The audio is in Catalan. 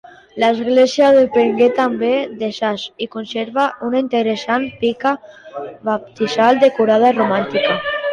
L'església depengué també de Sas i conserva una interessant pica baptismal decorada, romànica.